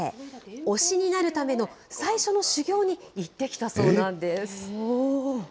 御師になるための最初の修行に行ってきたそうなんです。